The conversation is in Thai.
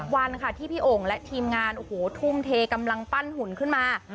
วันค่ะที่พี่โอ่งและทีมงานโอ้โหทุ่มเทกำลังปั้นหุ่นขึ้นมา